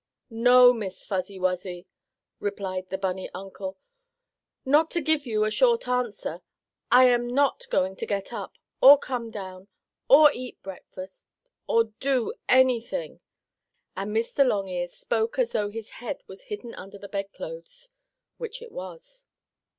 "No, Miss Fuzzy Wuzzy," replied the bunny uncle, "not to give you a short answer, I am not going to get up, or come down or eat breakfast or do anything," and Mr. Longears spoke as though his head was hidden under the bed clothes, which it was.